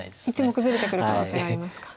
１目ずれてくる可能性がありますか。